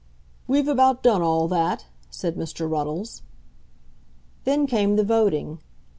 "We've about done all that," said Mr. Ruddles. Then came the voting.